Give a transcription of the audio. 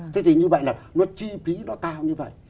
thế thì như vậy là nó chi phí nó cao như vậy